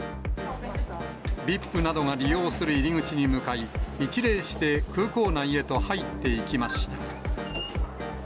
ＶＩＰなどが利用する入り口に向かい、一礼して、空港内へと入っていきました。